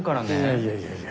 いやいやいやいや。